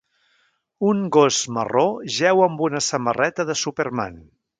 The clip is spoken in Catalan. Un gos marró jeu amb una samarreta de Superman.